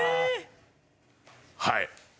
はい。